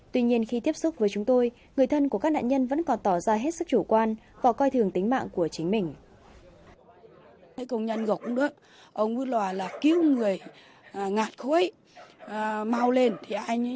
tuy nhiên khi tiếp xúc với chúng tôi người thân của các nạn nhân vẫn còn tỏ ra hết sức chủ quan và coi thường tính mạng của chính mình